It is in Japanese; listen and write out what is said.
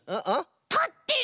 たってる！